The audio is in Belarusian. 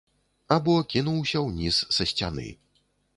Або кінуўся ўніз са сцяны.